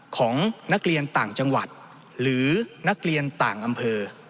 ของนักเรียนต่างจังหวัดหรือนักเรียนต่างอำเภอ